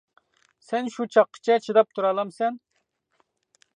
سەن شۇ چاققىچە چىداپ تۇرالامسەن.